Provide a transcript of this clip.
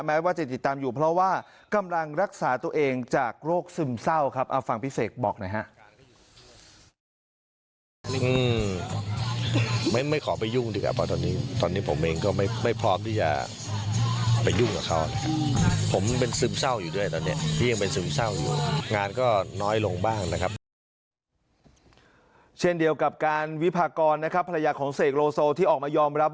แม้ว่าจะติดตามอยู่เพราะว่ากำลังรักษาตัวเองจากโรคซึมเศร้าครับ